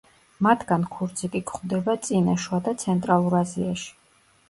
მათგან ქურციკი გვხვდება წინა, შუა და ცენტრალურ აზიაში.